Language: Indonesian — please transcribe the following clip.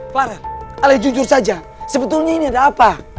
farel alih jujur saja sebetulnya ini ada apa